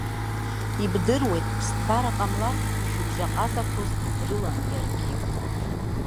Ибдыруеит, ԥсҭбара ҟамларц ишәыбжьаҟазақәоз дрылан иаргьы.